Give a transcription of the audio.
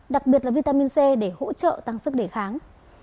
đặc biệt là vitamin c để hỗ trợ tăng sức đề kháng